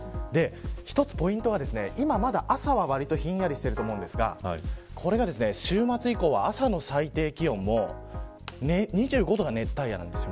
一つポイントは今はまだ朝はひんやりしてますが週末以降は、朝の最低気温も２５度が熱帯夜なんです。